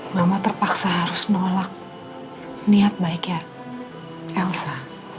mama terpaksa harus menolak niat baiknya elsa